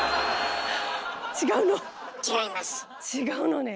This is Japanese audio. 違うの？